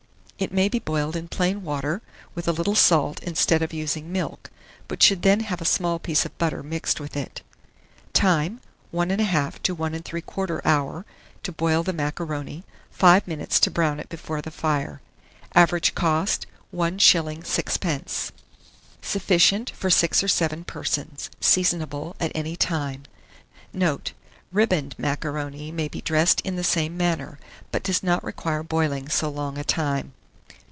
It may be boiled in plain water, with a little salt instead of using milk, but should then have a small piece of butter mixed with it. Time. 1 1/2 to 1 3/4 hour to boil the macaroni, 5 minutes to brown it before the fire. Average cost, 1s. 6d. Sufficient for 6 or 7 persons. Seasonable at any time. Note. Riband macaroni may be dressed in the same manner, but does not require boiling so long a time.